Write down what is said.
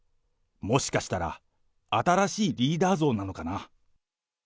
もしかしたら、新しいリーダー像なのかな。